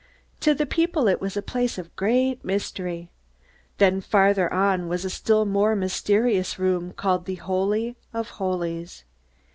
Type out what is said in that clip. To the people it was a place of great mystery. Then farther on was a still more mysterious room called the Holy of Holies.